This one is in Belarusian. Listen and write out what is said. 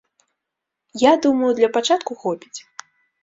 Я думаю, для пачатку хопіць.